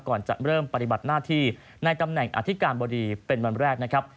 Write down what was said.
ก่อนจะเริ่มปฏิบัติหน้าที่ในตำแหน่งอธิการบดีเป็นวันแรกนะครับ